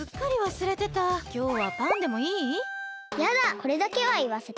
これだけはいわせて。